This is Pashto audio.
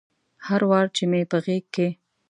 هر وار چې مې په غیږ کې